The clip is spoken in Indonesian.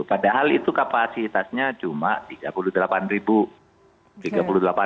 padahal itu kapasitasnya cuma rp tiga puluh delapan